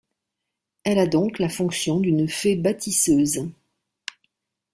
Elle a donc la fonction d'une fée bâtisseuse.